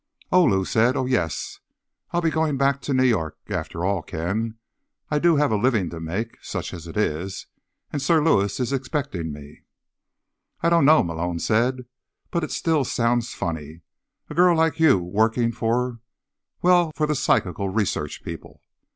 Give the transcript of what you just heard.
"Oh," Lou said. "Oh, yes. I'll be going back to New York. After all, Ken, I do have a living to make, such as it is, and Sir Lewis is expecting me." "I don't know," Malone said, "but it still sounds funny. A girl like you working for—well, for the Psychical Research people.